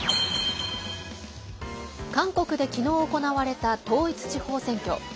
韓国で、きのう行われた統一地方選挙。